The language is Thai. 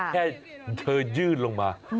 แค่เธอยื่นลงมา